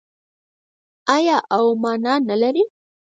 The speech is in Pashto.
آیا او مانا نلري؟